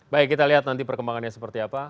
baik kita lihat nanti perkembangannya seperti apa